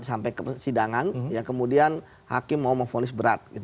sampai ke persidangan ya kemudian hakim mau memfolis berat